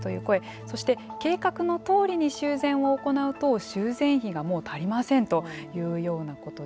そして計画のとおりに修繕を行うと修繕費がもう足りませんというようなことで。